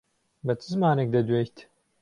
بە چ زمانێک دەدوێیت؟